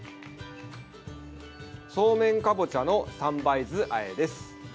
そうめんかぼちゃの三杯酢あえです。